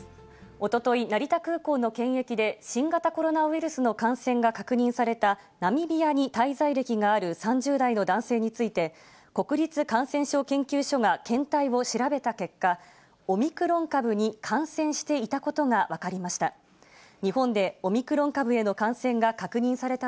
おととい、成田空港の検疫で、新型コロナウイルスの感染が確認されたナミビアに滞在歴がある３０代の男性について、国立感染症研究所が検体を調べた結果、オミクロン株に感染していたことが分かりました。